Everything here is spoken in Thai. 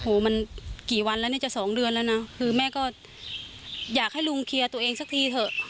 โอ้โหมันกี่วันแล้วเนี่ยจะสองเดือนแล้วนะคือแม่ก็อยากให้ลุงเคลียร์ตัวเองสักทีเถอะ